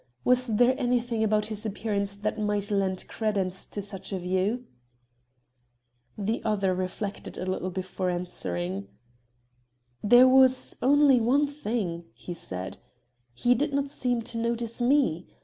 Was there anything about his appearance that might lend credence to such a view?" The other reflected a little while before answering. "There was only one thing," he said "he did not seem to notice me.